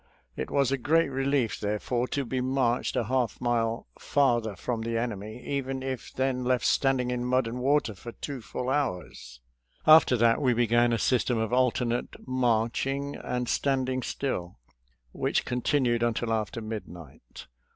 It was a great relief therefore to be marched a half mile farther from the enemy, even if then left standing in mud and water for two full hours. After that we began a system of alternate marching and standing still, which continued until after midnight.